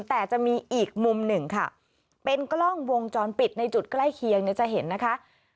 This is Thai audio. แต่จะมีอีกมุมหนึ่งค่ะเป็นกล้องวงจรปิดในจุดใกล้เคียงเนี่ยจะเห็นนะคะ